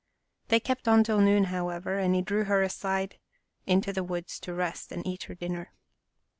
They kept on till noon, however, and he drew her aside into the woods to rest and eat her dinner.